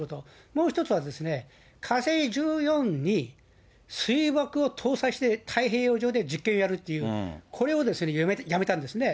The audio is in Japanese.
もう一つは、火星１４に水爆を搭載して、太平洋上で実験をやるっていう、これをやめたんですね。